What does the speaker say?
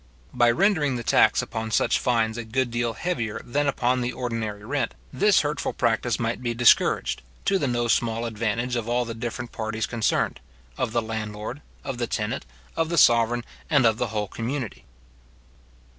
By rendering the tax upon such fines a good deal heavier than upon the ordinary rent, this hurtful practice might be discouraged, to the no small advantage of all the different parties concerned, of the landlord, of the tenant, of the sovereign, and of the whole community.